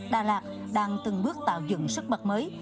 đà lạt đang từng bước tạo dựng sức mật mới